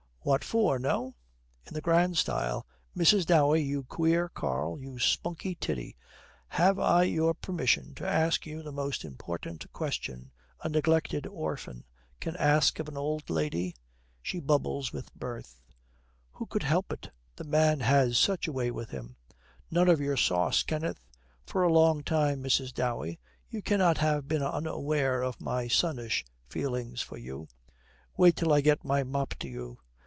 'What for no?' In the grand style, 'Mrs. Dowey, you queer carl, you spunky tiddy, have I your permission to ask you the most important question a neglected orphan can ask of an old lady?' She bubbles with mirth. Who could help it, the man has such a way with him. 'None of your sauce, Kenneth.' 'For a long time, Mrs. Dowey, you cannot have been unaware of my sonnish feelings for you.' 'Wait till I get my mop to you!'